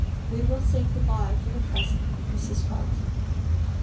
We will say good by for the present, Mrs. Holt."